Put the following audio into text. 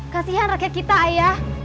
kasihan rakyat kita ayah